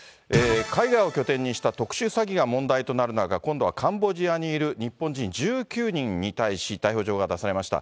海外を拠点にした特殊詐欺が問題となる中、今度はカンボジアにいる日本人１９人に対し、逮捕状が出されました。